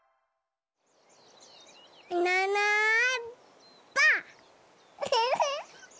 いないいないばあっ！